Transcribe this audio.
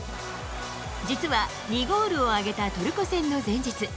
実は２ゴールを挙げたトルコ戦の前日。